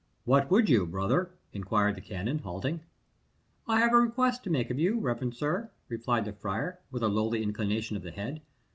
"What would you, brother?" inquired the canon, halting. "I have a request to make of you, reverend sir," replied the friar, with a lowly inclination of the head.